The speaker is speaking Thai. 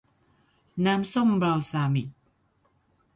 น้ำส้มบัลซามิก